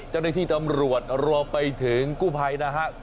จากนั้นที่ตำรวจรวมไปถึงกู้ไพรนะฮะ